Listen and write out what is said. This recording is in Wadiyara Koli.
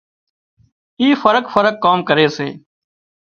اي فرق فرق ڪام ڪري سي